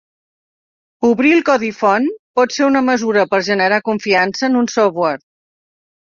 Obrir el codi font pot ser una mesura per generar confiança en un software.